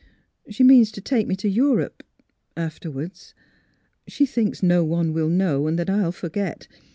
She means to take me to Europe, afterwards. She thinks no one will know, and that I will forget.